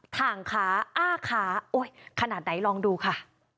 ถ่างขาอ้าขาขนาดไหนลองดูค่ะ